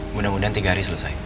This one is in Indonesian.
mudah mudahan tiga hari selesai